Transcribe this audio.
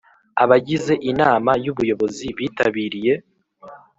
Abagize Inama y Ubuyobozi bitabiriye